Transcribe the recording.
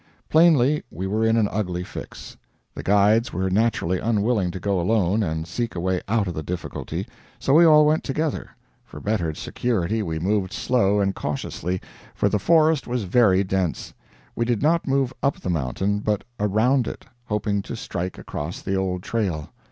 Plainly we were in an ugly fix. The guides were naturally unwilling to go alone and seek a way out of the difficulty; so we all went together. For better security we moved slow and cautiously, for the forest was very dense. We did not move up the mountain, but around it, hoping to strike across the old trail.